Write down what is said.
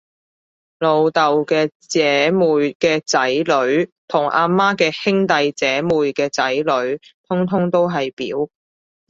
老豆嘅姐妹嘅仔女，同阿媽嘅兄弟姐妹嘅仔女，通通都係表